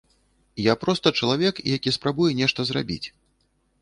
Я проста чалавек, які спрабуе нешта зрабіць.